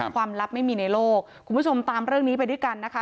ความลับไม่มีในโลกคุณผู้ชมตามเรื่องนี้ไปด้วยกันนะคะ